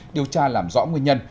điều tra làm rõ nguyên nhân